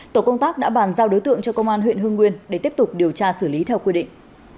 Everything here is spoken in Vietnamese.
tổ công tác đã bàn giao đối tượng cho công an huyện hương nguyên để tiếp tục điều tra xử lý theo quy định